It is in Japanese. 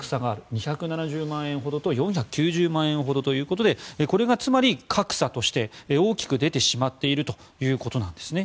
２７０万円ほどと４９０万円ほどということでこれがつまり格差として大きく出てしまっているということなんです。